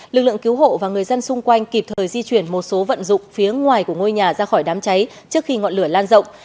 lực lượng cứu hộ và người dân xung quanh kịp thời di chuyển một số vận dụng phía ngoài của ngôi nhà ra khỏi đám cháy trước khi ngọn lửa lan rộng